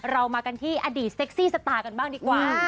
เรามากันที่อดีตเซ็กซี่สตาร์กันบ้างดีกว่า